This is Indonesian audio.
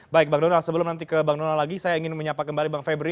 baik bang donald sebelum nanti ke bang donald lagi saya ingin menyapa kembali bang febri